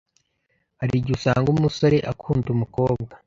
Hari igihe usanga umusore akunda umukobwa